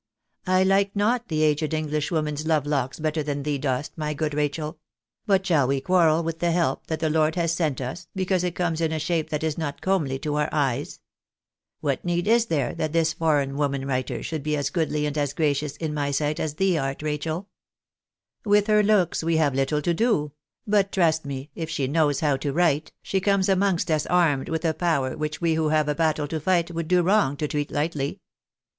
I like not the aged Englishwoman's love locks better than thee dost, my good Rachel ; but shall we quarrel with the help that the Lord has sent us, because it comes in a shape that is not comely to our eyes ? What need is there that this foreign woman writer should be as goodly and as gracious in my sight as thee art, Rachel ? With her looks we have little to do ; but trust me, if she knows how to write, she comes amongst us armed with a power which we who have a battle to fight would do wrong to treat lightly.